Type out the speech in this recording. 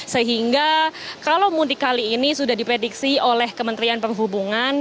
sehingga kalau mudik kali ini sudah diprediksi oleh kementerian perhubungan